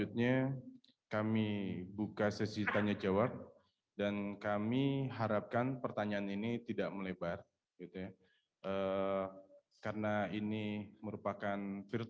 dan kami berkomunikasi dengan keluarga dan kedutaan